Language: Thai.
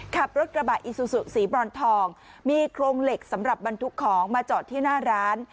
ขับรถกระบะอีซูซูสีบรอนทองมีโครงเหล็กสำหรับบรรทุกของมาจอดที่หน้าร้าน